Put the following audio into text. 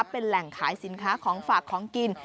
เป็นแหล่งขายสินค้าของฝากของกิน